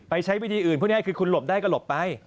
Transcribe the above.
ไปใช้วิธีอื่นพูดง่ายคือคุณหลบได้ก็หลบไป